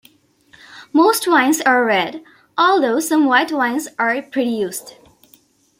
Most wines are red, although some white wines are produced.